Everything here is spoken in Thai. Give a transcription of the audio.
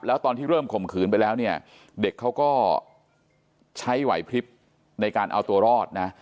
แล้วตอนที่เริ่มข่มขืนไปแล้วเนี่ยเด็กเขาก็ใช้ไหวพลิบในการเอาตัวรอดนะ